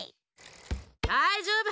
だいじょうぶ！